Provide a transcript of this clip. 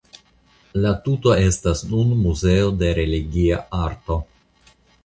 La tuto estas nun Muzeo de Religia Arto.